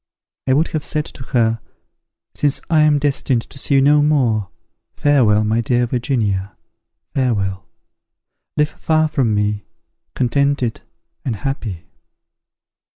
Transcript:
I would have said to her, 'Since I am destined to see you no more, farewell, my dear Virginia, farewell! Live far from me, contented and happy!'"